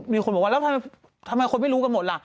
มีคนบอกว่าแล้วทำไมคนไม่รู้กันหมดล่ะ